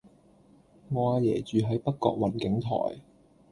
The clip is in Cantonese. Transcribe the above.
我阿爺住喺北角雲景台